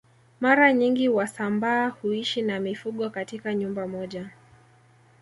Mara nyingi wasambaa huishi na mifugo katika nyumba moja